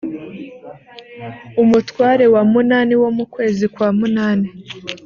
umutware wa munani wo mu kwezi kwa munani